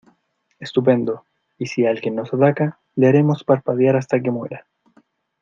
Estupendo. Y si alguien nos ataca, le haremos parpadear hasta que muera .